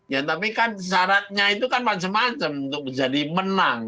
ya tapi kan syaratnya itu kan macam macam untuk menjadi menang